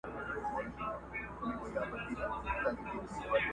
له زلمو شونډو موسكا ده كوچېدلې٫